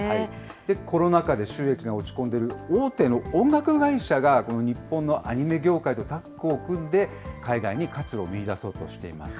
コロナ禍で収益が落ち込んでいる大手の音楽会社が、この日本のアニメ業界とタッグを組んで、海外に活路を見いだそうとしています。